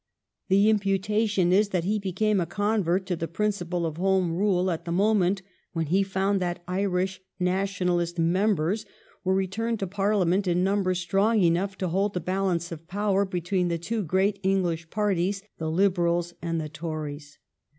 The imputation is that he became a convert to the principle of Home Rule at the moment when he found that Irish Nationalist members were returned to Parliament in numbers strong enough to hold the balance of power be tween the two great EngHsh parties, the Liberals and the Tories.